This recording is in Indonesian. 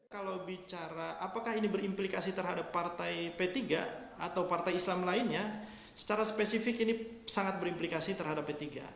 kalau bicara apakah ini berimplikasi terhadap partai p tiga atau partai islam lainnya secara spesifik ini sangat berimplikasi terhadap p tiga